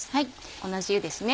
同じ湯ですね